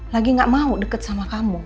lagi gak mau deket sama kamu